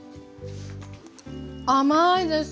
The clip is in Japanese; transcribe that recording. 甘いです。